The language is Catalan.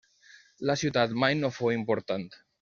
La ciutat mai no fou important.